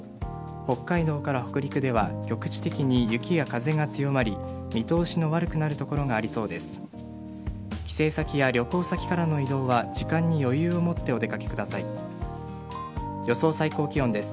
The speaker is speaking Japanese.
北海道から北陸では局地的に雪や風が強まり見通しの悪くなる所がありそうです。